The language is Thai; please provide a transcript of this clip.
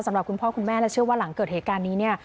สำหรับคุณพ่อคุณแม่และเชื่อว่าหลังเกิดเหตุการณ์นี้เนี่ย